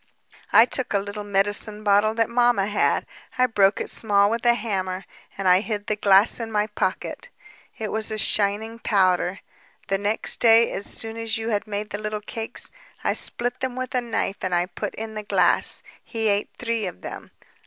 "I took a little medicine bottle that mamma had; I broke it small with a hammer, and I hid the glass in my pocket. It was a shining powder ... The next day, as soon as you had made the little cakes ... I split them with a knife and I put in the glass ... He ate three of them